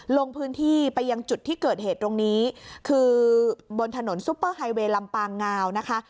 ลงพื้นที่ไปยังจุดที่เกิดเหตุตรงนี้คือบนถนนซุปเปอร์ไฮเวย์ลำปางงาวนะคะ